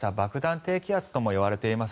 低気圧ともいわれています